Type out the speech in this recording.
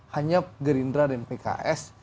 hanya gerindra dan pks